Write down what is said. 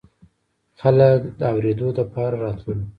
خلق د اورېدو دپاره راتللو